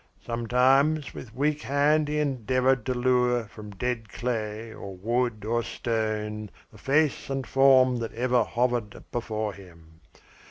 Sometimes with weak hand he endeavoured to lure from dead clay or wood or stone the face and form that ever hovered before him.